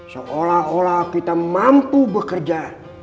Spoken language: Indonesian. seolah olah kita mampu bekerja